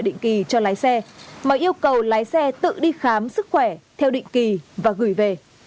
định kỳ cho lái xe mà yêu cầu lái xe tự đi khám sức khỏe theo định kỳ và gửi về